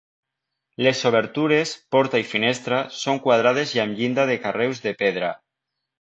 Les obertures, porta i finestra, són quadrades i amb llinda de carreus de pedra.